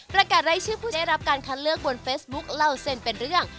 ประกาศรายชื่อผู้ได้รับการคัดเลือกบนเฟซบุ๊คเล่าเส้นเป็นเรื่อง